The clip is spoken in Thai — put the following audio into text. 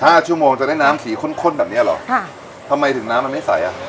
ชั่วโมงจะได้น้ำสีข้นข้นแบบเนี้ยเหรอค่ะทำไมถึงน้ำมันไม่ใสอ่ะ